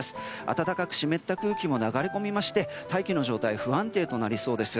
暖かく湿った空気が流れ込みまして大気の状態が不安定となります。